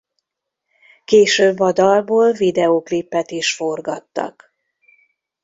Később a dalból videóklipet is forgattak.